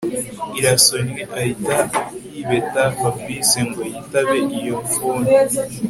irasonye ahita yibeta Fabric ngo yitabe iyo phone